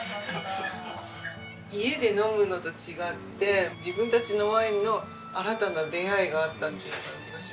家で飲むのと違って自分たちのワインの新たな出会いがあったっていう感じがしましたね。